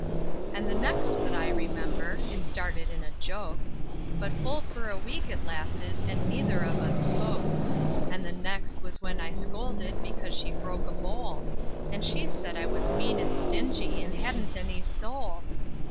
And the next that I remember, it started in a joke; But full for a week it lasted, and neither of us spoke. And the next was when I scolded because she broke a bowl; And she said I was mean and stingy, and hadn't any soul.